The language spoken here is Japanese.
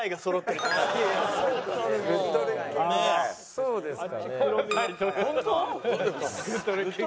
そうですね。